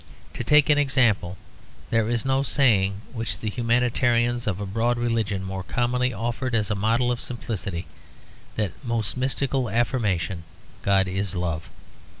To take an example, there is no saying which the humanitarians of a broad religion more commonly offer as a model of simplicity than that most mystical affirmation "God is Love."